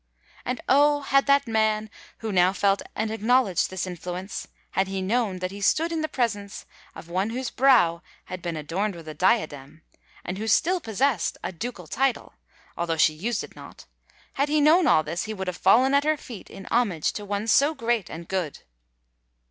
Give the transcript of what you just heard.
And, oh! had that man, who now felt and acknowledged this influence,—had he known that he stood in the presence of one whose brow had been adorned with a diadem, and who still possessed a ducal title, although she used it not,—had he known all this, he would have fallen at her feet, in homage to one so great and good!